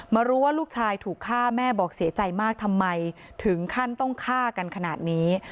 รู้ว่าลูกชายถูกฆ่าแม่บอกเสียใจมากทำไมถึงขั้นต้องฆ่ากันขนาดนี้